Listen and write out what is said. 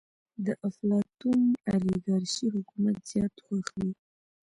د افلاطون اليګارشي حکومت زيات خوښ وي.